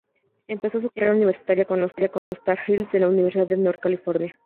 Empezó su carrera universitaria con los "Tar Heels" de la Universidad de North Carolina.